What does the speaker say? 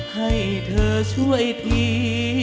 ให้เธอช่วยผี